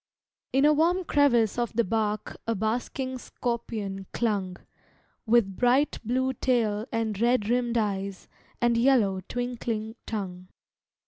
In a warm crevice of the bark A basking scorpion clung, With bright blue tail and red rimmed eyes And yellow, twinkling tongue.